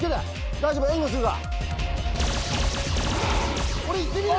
大丈夫、援護するから。